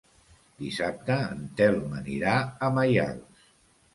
Dissabte en Telm anirà a Maials.